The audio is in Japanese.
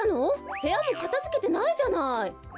へやもかたづけてないじゃない。